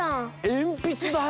えんぴつだよ！？